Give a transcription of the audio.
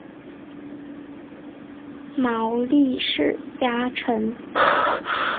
毛利氏家臣。